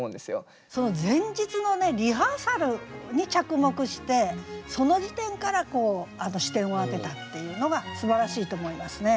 その前日のリハーサルに着目してその時点から視点を当てたっていうのがすばらしいと思いますね。